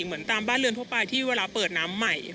เหมือนตามบ้านเรือนทั่วไปที่เวลาเปิดน้ำใหม่